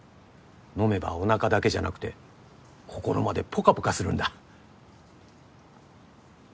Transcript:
飲めばお腹だけじゃなくて心までポカポカするんだ。